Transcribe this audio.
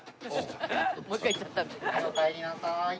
おかえりなさい。